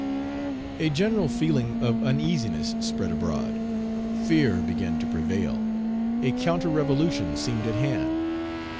A general feeling of uneasiness spread abroad. Fear began to prevail. A counter revolution seemed at hand.